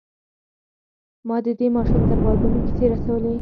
ما د دې ماشوم تر غوږونو کيسې رسولې.